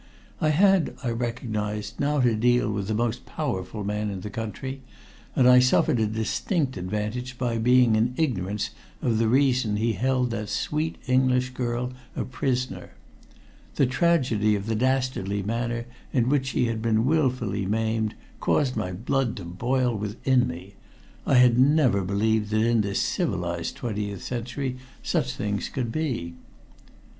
I had, I recognized, now to deal with the most powerful man in that country, and I suffered a distinct disadvantage by being in ignorance of the reason he held that sweet English girl a prisoner. The tragedy of the dastardly manner in which she had been willfully maimed caused my blood to boil within me. I had never believed that in this civilized twentieth century such things could be.